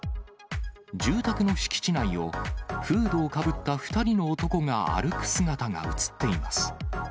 住宅の敷地内を、フードをかぶった２人の男が歩く姿が写っています。